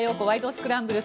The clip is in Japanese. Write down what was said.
スクランブル」。